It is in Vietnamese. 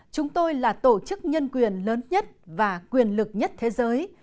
chúng tôi là tổ chức nhân quyền lớn nhất và quyền lực nhất thế giới